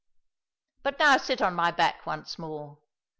" But now sit on my back once more."